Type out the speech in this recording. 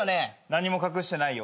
何も隠してないよ。